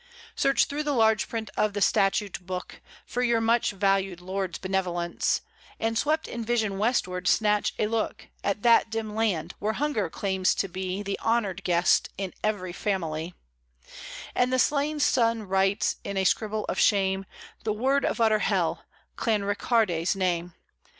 Search through the large print of the Statute Book For your much valued Lords' benevolence, And swept in vision westward, snatch a look At that dim land, where hunger claims to be The honoured guest in every family; And the slain sun writes, in a scribble of shame, The word of utter Hell, Clanricarde's name.